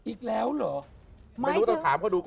อีกแล้วเหรอ